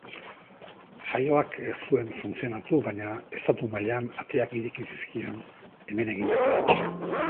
Saioak ez zuen funtzionatu baina estatu mailan ateak ireki zizkion hemen egindako lanak.